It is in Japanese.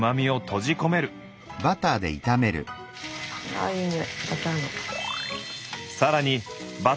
ああいいにおいバターの。